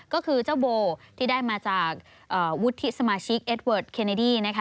ก็คือเจ้าโบที่ได้มาจากวุฒิสมาชิกเอสเวิร์ดเคเนดี้นะคะ